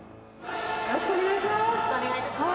よろしくお願いします。